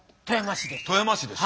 富山市です。